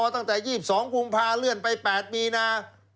ตั้งแต่๒๒กุมภาเลื่อนไป๘มีนา